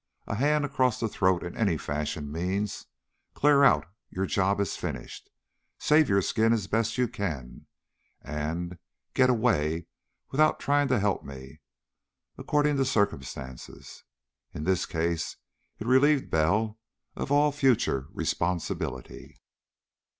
A hand across the throat in any fashion means, "Clear out, your job is finished," "Save your skin as best you can," and "Get away without trying to help me," according to circumstances. In this case it relieved Bell of all future responsibility.